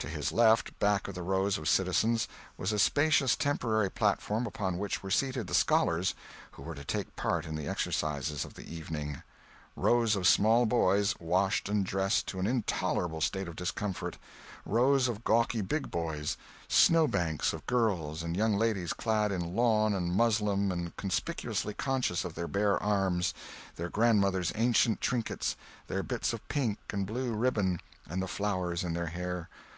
To his left, back of the rows of citizens, was a spacious temporary platform upon which were seated the scholars who were to take part in the exercises of the evening; rows of small boys, washed and dressed to an intolerable state of discomfort; rows of gawky big boys; snowbanks of girls and young ladies clad in lawn and muslin and conspicuously conscious of their bare arms, their grandmothers' ancient trinkets, their bits of pink and blue ribbon and the flowers in their hair.